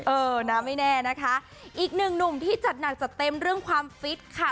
เออนะไม่แน่นะคะอีกหนึ่งหนุ่มที่จัดหนักจัดเต็มเรื่องความฟิตค่ะ